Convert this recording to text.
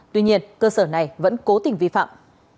tuy nhiên cơ sở này vẫn cố tình vi phạm